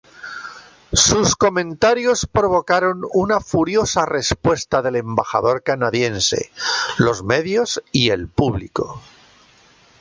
Sus comentarios provocaron una furiosa respuesta del embajador canadiense, los medios y el público.